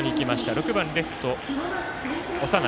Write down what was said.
６番レフト、長内。